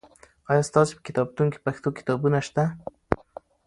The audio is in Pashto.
آیا ستاسې په کتابتون کې پښتو کتابونه سته؟